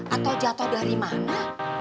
atau jatoh dari mana